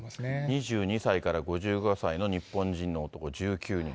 ２２歳から５５歳の日本人の男１９人。